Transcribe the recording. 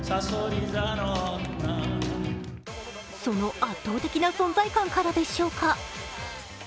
その圧倒的な存在感からでしょうか。